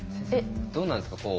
どうなんですか？